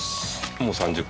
もう３０個？